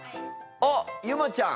あっゆまちゃん。